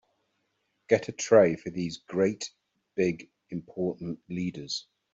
Get a tray for these great big important leaders.